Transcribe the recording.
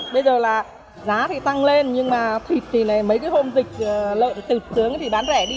bây giờ là giá thì tăng lên nhưng mà thịt thì lại mấy cái hôm dịch lợn từ sướng thì bán rẻ đi